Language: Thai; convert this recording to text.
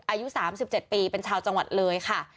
อายุ๓๗ปีเป็นชาวจังหวัดเลยค่ะ